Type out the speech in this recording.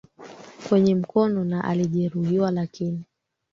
kwenye mkono na alijeruhiwa lakini